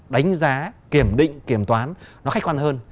đánh giá kiểm định kiểm toán nó khách quan hơn